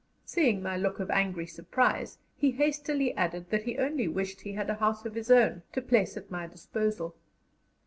Seeing my look of angry surprise, he hastily added that he only wished he had a house of his own to place at my disposal.